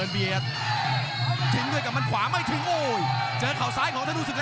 ประชาติสุกเล็กร้านล่างเยาะสันใจตี่ตี่